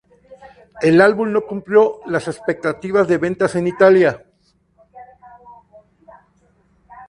El álbum no cumplió las expectativas de ventas en Italia.